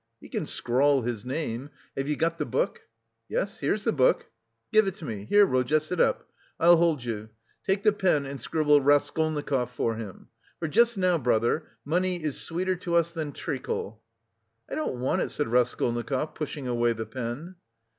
"He can scrawl his name. Have you got the book?" "Yes, here's the book." "Give it to me. Here, Rodya, sit up. I'll hold you. Take the pen and scribble 'Raskolnikov' for him. For just now, brother, money is sweeter to us than treacle." "I don't want it," said Raskolnikov, pushing away the pen.